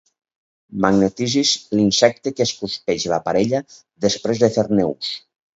Magnetitzis l'insecte que es cruspeix la parella després de fer-ne ús.